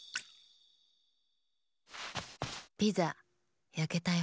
ピザやけたよ。